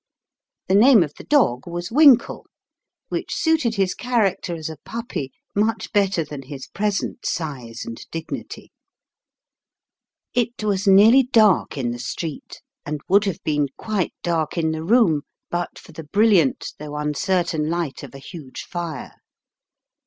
The name of the dog was Winkle, which suited his character as a puppy much better than his present size and dignity. It 8 If four dark corners are multiplied by one Jire, was nearly dark in the street, and would have been quite dark in the room, but for the brilliant though uncertain light of a huge fire.